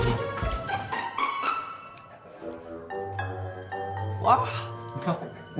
tak ada apa apa